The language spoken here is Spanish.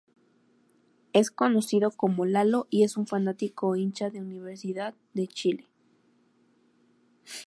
Es conocido como "Lalo" y es un fanático hincha de Universidad de Chile.